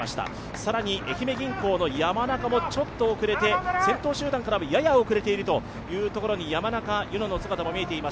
更に、愛媛銀行の山中もちょっと遅れて、先頭集団からもちょっと遅れているところに山中柚乃の姿も見えております